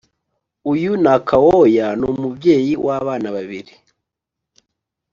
uyu nakawooya n’umubyeyi w’abana babiri